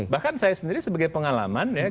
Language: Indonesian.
bahkan saya sendiri sebagai pengalaman ya